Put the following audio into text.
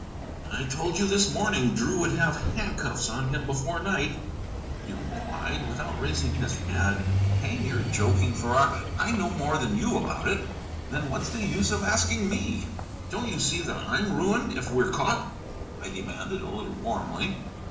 "I told you this morning Drew would have handcuffs on him before night," he replied, without raising his head. "Hang your joking, Farrar; I know more than you about it." "Then what's the use of asking me?" "Don't you see that I'm ruined if we're caught?" I demanded, a little warmly.